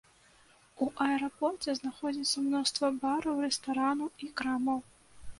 У аэрапорце знаходзіцца мноства бараў, рэстаранаў і крамаў.